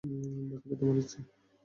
বাকীটা তোমার ইচ্ছা।